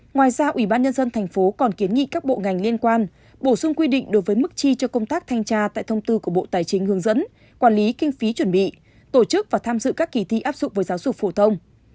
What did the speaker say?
ngoài ra ubnd tp hcm còn kiến nghị các bộ ngành liên quan bổ sung quy định đối với mức chi cho công tác thanh tra tại thông tư của bộ tài chính hướng dẫn quản lý kinh phí chuẩn bị tổ chức và tham dự các kỳ thi áp dụng với giáo dục phổ thông